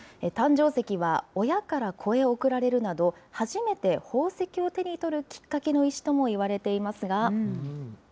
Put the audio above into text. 誕生石は、親から子へ贈られるなど、初めて宝石を手に取るきっかけの石とも言われていますが。